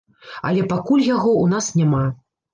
Але пакуль яго ў нас няма.